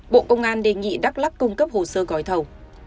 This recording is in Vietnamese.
bộ công an đề nghị đắk lắc cung cấp hồ sơ gói thầu